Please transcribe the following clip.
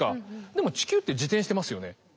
でも地球って自転してますよね。